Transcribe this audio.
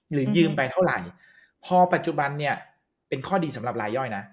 ยืมไปเท่าไหร่พอปัจจุบันเนี่ยเป็นข้อดีสำหรับรายย่อยนะ